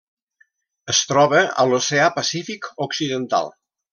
Es troba a l'Oceà Pacífic occidental.